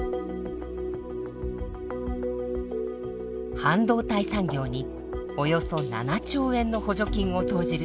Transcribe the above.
半導体産業におよそ７兆円の補助金を投じる